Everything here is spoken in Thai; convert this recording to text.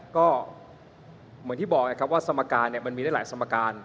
ก็เหมือนที่บอกไงครับว่าสมการมันมีได้หลายสมการ